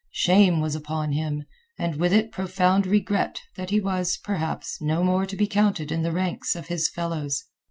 Shame was upon him, and with it profound regret that he was, perhaps, no more to be counted in the ranks of his fellows.